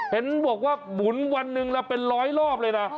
เห็นบอกว่าหมุนวันหนึ่งละเป็นร้อยรอบเลยนะ